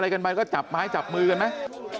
อะไรกันมั้ยก็จับไม้จับมือกันมั้ย